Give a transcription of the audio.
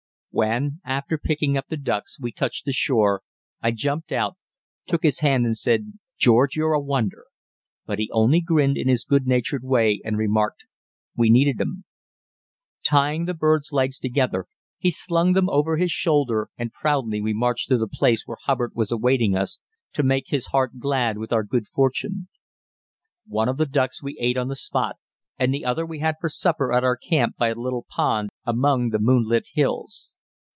When, after picking up the ducks, we touched the shore, I jumped out, took his hand and said "George, you're a wonder." But he only grinned in his good natured way and remarked: "We needed 'em." Tying the birds' legs together, he slung them over his shoulder, and proudly we marched to the place where Hubbard was awaiting us, to make his heart glad with our good fortune. One of the ducks we ate on the spot, and the other we had for supper at our camp by a little pond among the moonlit hills.